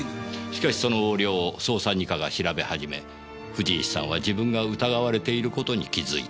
しかしその横領を捜査二課が調べ始め藤石さんは自分が疑われていることに気づいた。